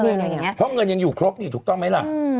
เพราะเงินยังอยู่ครบถูกต้องไหมล่ะ